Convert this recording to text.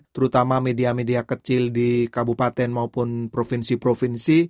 terutama media media kecil di kabupaten maupun provinsi provinsi